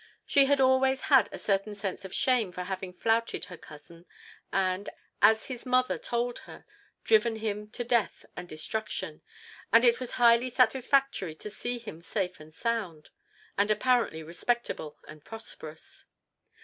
She had always had a certain sense of shame for having flouted her cousin, and, as his mother told her, driven him to death and destruction, and it was highly satisfactory to see him safe and sound, and apparently respectable and prosperous.